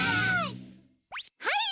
はい。